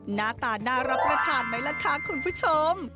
หน้าตาน่ารับประทานไหมล่ะคะคุณผู้ชม